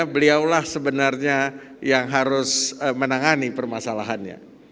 beliau lah sebenarnya yang harus menangani permasalahannya